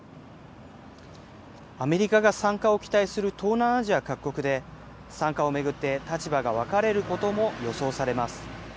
アメリカが参加を期待する東南アジア各国で、参加を巡って立場が分かれることも予想されます。